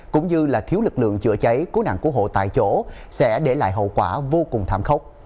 cũng như thiếu lực lượng chữa cháy cố nặng của hộ tại chỗ sẽ để lại hậu quả vô cùng tham khốc